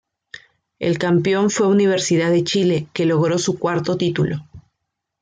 El campeón fue Universidad de Chile que logró su cuarto título.